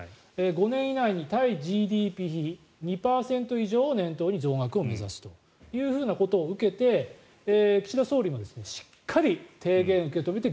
５年以内に対ＧＤＰ比２％以上を念頭に増額を目指すというふうなことを受けて岸田総理もしっかり提言を受けとめて